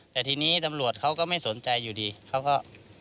แต่ทีนี้ตำรวจเขาก็ไม่สนใจอยู่ดีเขาก็